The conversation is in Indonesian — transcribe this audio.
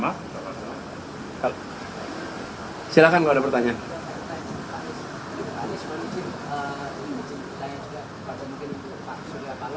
mungkin pak surya palot mau ngomong nanti di nasdembaur ini nanti akan diikuti oleh pak anies dan pak cahimin dari pak cikar juga